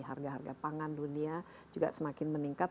harga harga pangan dunia juga semakin meningkat